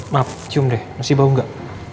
maaf cium deh masih bau enggak